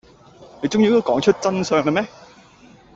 你終於都講出真相喇咩